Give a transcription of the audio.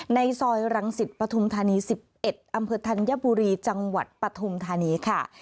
ในซอยรังสิตปฐุมธานี๑๑อำเภอธัญบุรีจังหวัดปฐุมธานีค่ะ